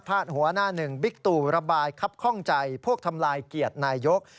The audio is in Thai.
หัวหน้าหนึ่งบิ๊กตู่ระบายครับข้องใจพวกทำลายเกียรตินายก